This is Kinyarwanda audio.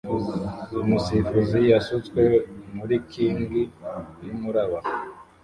Umusifuzi wasutswe muri king yumuraba